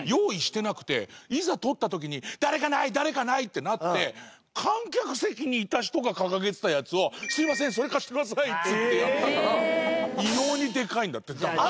誰かない？」ってなって観客席にいた人が掲げてたやつを「すいませんそれ貸してください」っていってやったから異様にでかいんだってだから。